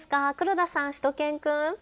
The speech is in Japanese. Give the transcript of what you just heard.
黒田さん、しゅと犬くん。